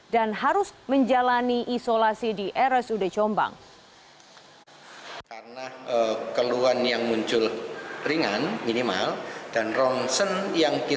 dan harus menjalani isolasi di rsud jombang